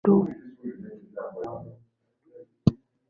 siwezi kupata virusi vya ukimwi kwa kufanya ngono ya mdomo